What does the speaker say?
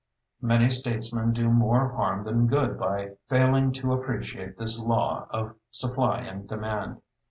Many statesmen do more harm than good by failing to appreciate this law of supply and demand.